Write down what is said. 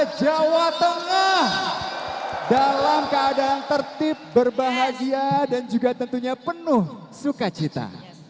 jawa tengah dalam keadaan tertib berbahagia dan juga tentunya penuh sukacita